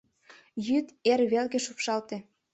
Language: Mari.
Йӱд эр велке лупшалте.